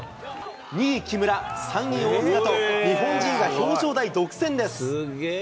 ２位木村、３位大塚と日本人が表彰台独占です。